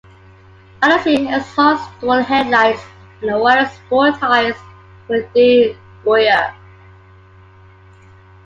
Under-seat exhausts, dual headlights and the widest sport tyres were de-rigueur.